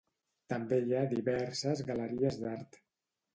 També hi ha diverses galeries d'art.